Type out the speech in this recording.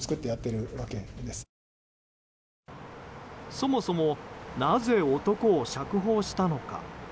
そもそもなぜ男を釈放したのか？